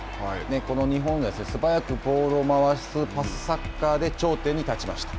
日本は素早くボールを回すパスサッカーで頂点に立ちました。